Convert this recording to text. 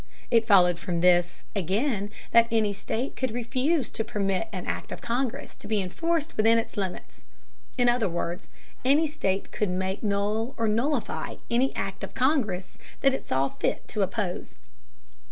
It followed from, this, again, that any state could refuse to permit an Act of Congress to be enforced within its limits. In other words, any state could make null or nullify any Act of Congress that it saw fit to oppose.